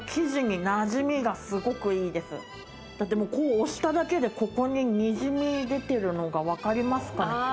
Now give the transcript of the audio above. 押しただけでここににじみ出てるのが分かりますかね？